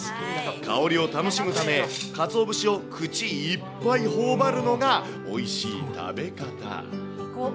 香りを楽しむため、かつお節を口いっぱいほおばるのがおいしい食べ方。